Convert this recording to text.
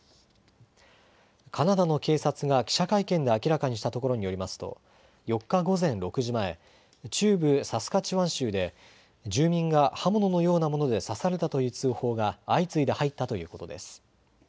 カナダの警察が記者会見で明らかにしたところによりますと４日午前６時前、中部サスカチワン州で住民が刃物のようなもので刺されたという通報が相次いで入ったということです。